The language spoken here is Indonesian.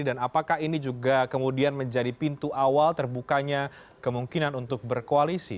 dan apakah ini juga kemudian menjadi pintu awal terbukanya kemungkinan untuk berkoalisi